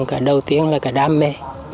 cả đầu tiên là cả đam mê